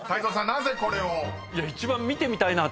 なぜこれを？］